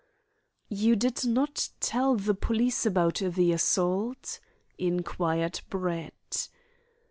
"You did not tell the police about the assault?" inquired Brett.